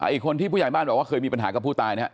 อีกคนที่ผู้ใหญ่บ้านบอกว่าเคยมีปัญหากับผู้ตายนะครับ